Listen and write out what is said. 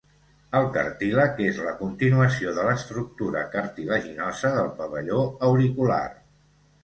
El cartílag és la continuació de l'estructura cartilaginosa del pavelló auricular.